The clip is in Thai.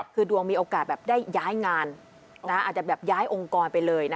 คือดวงมีโอกาสแบบได้ย้ายงานอาจจะแบบย้ายองค์กรไปเลย